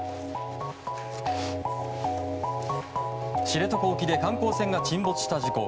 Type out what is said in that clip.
知床沖で観光船が沈没した事故。